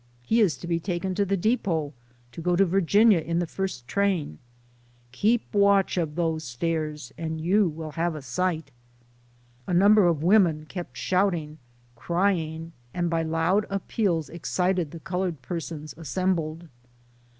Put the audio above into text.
He is to be taken to the depot, to go to Virginia in the first train. Keep watch of those stairs, and you will have a sight." A number of women kept shouting, crying, and by loud appeals excited the colored persons assembled.